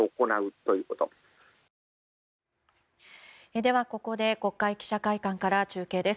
では、ここで国会記者会館から中継です。